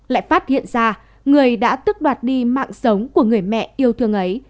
lại phát hiện ra người đã tức đoạt đi mạng sống của người mẹ yêu thương ấy